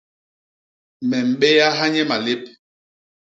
Me mbéaha nye malép.